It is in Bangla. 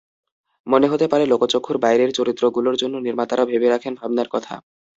মনে হতে পারে, লোকচক্ষুর বাইরের চরিত্রগুলোর জন্য নির্মাতারা ভেবে রাখেন ভাবনার কথা।